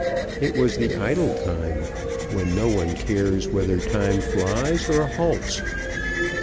It was the idle time when no one cares whether time flies or halts.